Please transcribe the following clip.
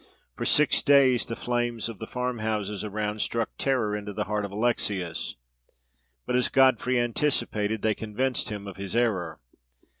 For six days the flames of the farm houses around struck terror into the heart of Alexius; but, as Godfrey anticipated, they convinced him of his error.